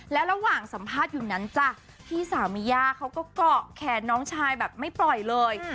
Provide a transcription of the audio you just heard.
แล้วระหว่างสัมภาษณ์อยู่นั้นจ้ะพี่สาวมีย่าเขาก็เกาะแขนน้องชายแบบไม่ปล่อยเลย